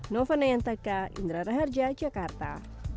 novanayantaka indra raharja jakarta